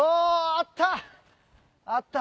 あった！